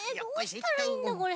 どうしたらいいんだこれ。